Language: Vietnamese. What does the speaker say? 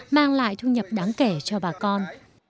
mang lại thu nhập đáng kể cho bà con